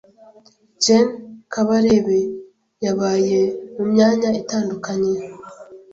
Gen Kabarebe yabaye mu myanya itandukanye